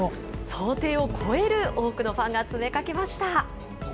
想定を超える多くのファンが詰めかけました。